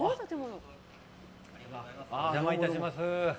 お邪魔いたします。